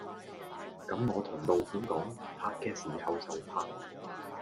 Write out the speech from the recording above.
咁我同導演講，拍嘅時候就拍！